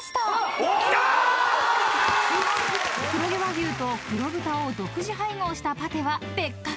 ［黒毛和牛と黒豚を独自配合したパテは別格］